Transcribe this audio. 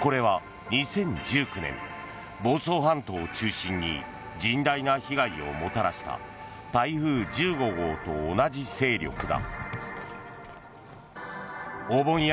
これは２０１９年房総半島を中心に甚大な被害をもたらした台風１５号と同じ勢力だ。